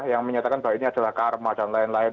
yang menyatakan bahwa ini adalah karma dan lain lain